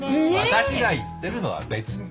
私が言ってるのは別に。